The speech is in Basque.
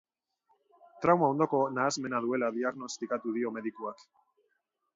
Trauma ondoko nahasmena duela diagnostikatu dio medikuak.